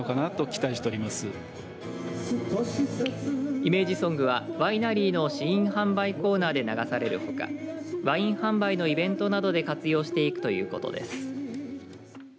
イメージソングはワイナリーの試飲販売コーナーで流されるほかワイン販売のイベントなどで活用していくということです。